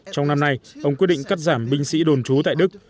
trong năm nay ông quyết định cắt giảm binh sĩ đồn trú tại đức